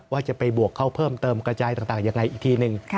ว่าจะไปบวกเข้าเพิ่มเติมกระจายต่างอย่างไรอีกทีหนึ่ง